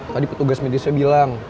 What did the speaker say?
tadi petugas medisnya bilang